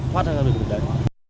hoát ra ra được được đấy